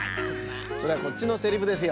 それはこっちのセリフですよ。